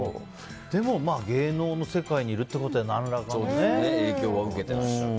でも芸能の世界にいるということは影響は受けてらっしゃる。